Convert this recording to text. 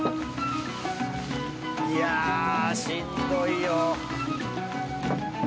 いやしんどいよ。